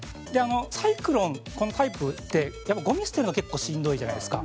サイクロン、このタイプってやっぱりゴミ捨てるのが結構しんどいじゃないですか。